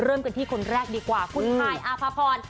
เริ่มกันที่คนแรกดีกว่าคุณฮายอาภาพร